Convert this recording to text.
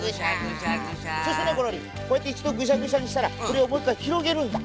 そしてねゴロリこうやっていちどぐしゃぐしゃにしたらこれをもういっかいひろげるんだ。